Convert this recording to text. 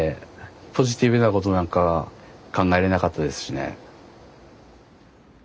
ポジティブなことなんか考えれなかったですしね。